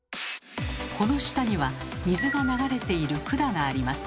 この下には水が流れている管があります。